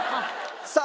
さあ。